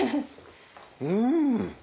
うん！